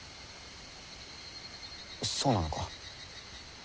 そうなのか？